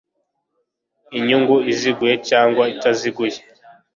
inyungu iziguye cyangwa itaziguye